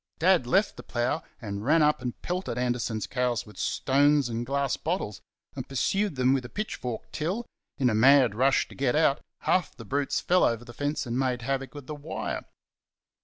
Dad left the plough and ran up and pelted Anderson's cows with stones and glass bottles, and pursued them with a pitch fork till, in a mad rush to get out, half the brutes fell over the fence and made havoc with the wire.